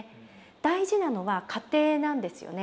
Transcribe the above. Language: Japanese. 大事なのは過程なんですよね。